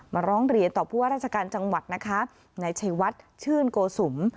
มาร้องเรียนต่อพวกราชการจังหวัดนะคะในชายวัดชื่นโกสุม